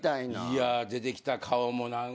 いや出てきた顔も何かね。